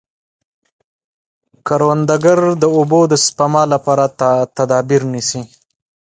کروندګر د اوبو د سپما لپاره تدابیر نیسي